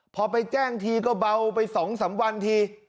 พอไปแจ้งทีก็เบาไปสองสามวันที